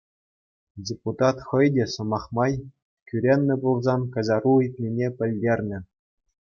Депутат хӑй те, сӑмах май, кӳреннӗ пулсан каҫару ыйтнине пӗлтернӗ.